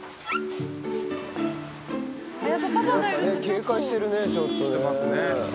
警戒してるねちょっとね。